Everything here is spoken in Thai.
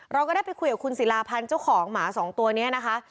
เราก็ได้ไปคุยกับคุณศิลาพันธ์เจ้าของหมาสองตัวนี้นะคะ